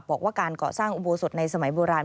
บอกว่าการก่อสร้างอุโบสถในสมัยโบราณ